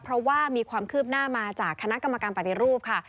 เพราะว่ามีความคืบหน้ามาจากคณะกรรมการปฏิรูปค่ะ